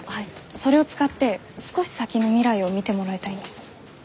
それを使って少し先の未来を見てもらいたいんです。